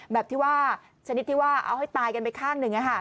แบบที่ว่าชนิดที่ว่าเอาให้ตายกันไปข้างหนึ่ง